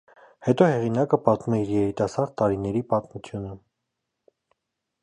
Հետո հեղինակը պատմում է իր երիտասարդ տարիների պատմությունը։